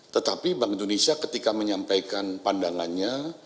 tetapi bank indonesia ketika menyampaikan pandangannya